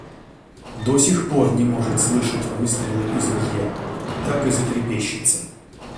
До сих пор не может слышать выстрела из ружья: так и затрепещется.